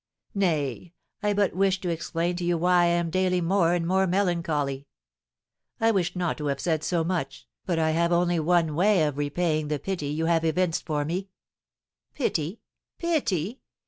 "Nay, I but wished to explain to you why I am daily more and more melancholy. I wished not to have said so much, but I have only one way of repaying the pity you have evinced for me." "Pity? Pity?